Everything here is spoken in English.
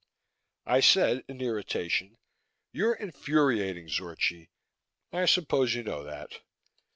I said in irritation, "You're infuriating, Zorchi. I suppose you know that.